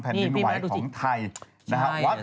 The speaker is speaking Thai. สนับสนุนโดยดีที่สุดคือการให้ไม่สิ้นสุด